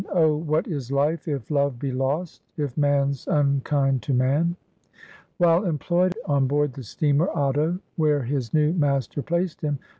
O, what is life if love be lost, If man 's unkind to man ?" "While employed on board the steamer "Otto, ,! where his new master placed him.